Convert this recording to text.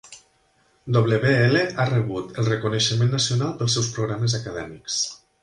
W-L ha rebut el reconeixement nacional pels seus programes acadèmics.